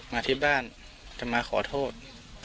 มาที่บ้านจะมาขอโทษ